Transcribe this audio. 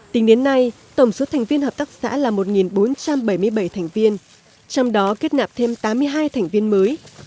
tính đến nay tổng số thành viên hợp tác xã là một bốn trăm bảy mươi bảy thành viên trong đó kết nạp thêm tám mươi hai thành viên mới